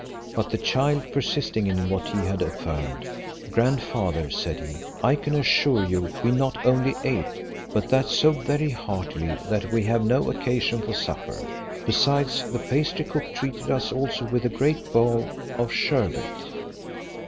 But the child persisting in what he had affirmed, "Grandfather," said he, "I can assure you we not only ate, but that so very heartily, that we have no occasion for supper: besides, the pastry cook treated us also with a great bowl of sherbet."